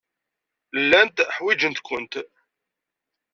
Llant ḥwajent-kent.